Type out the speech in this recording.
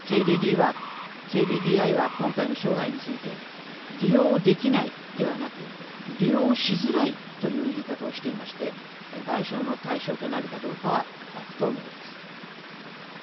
ＫＤＤＩは今回の障害について利用できないではなく利用しづらいという言い方をしていまして賠償の対象となるかどうかは不透明です。